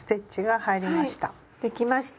できました！